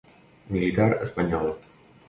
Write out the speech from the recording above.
Militar espanyol.